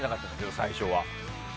最初は。